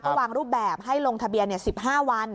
ก็วางรูปแบบให้ลงทะเบียน๑๕วัน